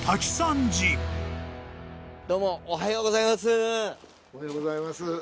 おはようございます。